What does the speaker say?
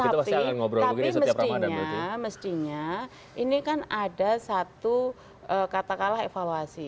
tapi mestinya mestinya ini kan ada satu katakanlah evaluasi